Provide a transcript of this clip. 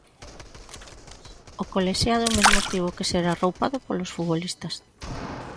O colexiado, mesmo tivo que ser arroupado polos futbolistas.